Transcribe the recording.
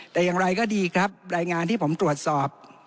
แต่อย่างไรก็ดีครับรายงานที่ผมตรวจสอบ